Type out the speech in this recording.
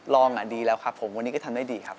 ดีแล้วครับผมวันนี้ก็ทำได้ดีครับ